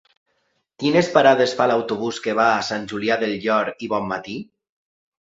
Quines parades fa l'autobús que va a Sant Julià del Llor i Bonmatí?